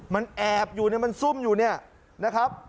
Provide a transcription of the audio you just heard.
มันแอบอยู่มันซุ่มอยู่นะครับ